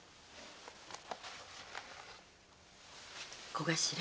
小頭。